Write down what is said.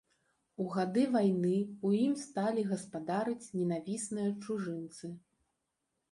У гады вайны ў ім сталі гаспадарыць ненавісныя чужынцы.